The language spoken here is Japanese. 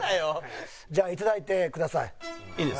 じゃあ頂いてください。